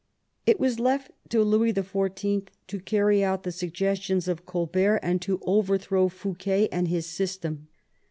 It was left to Louis XIV. to carry out the suggestions of Colbert and to overthrow Fouquet and his system.